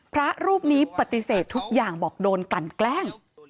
พระรูปนี้ปฏิเสธทุกอย่างบอกโดนกลั่นแกล้ง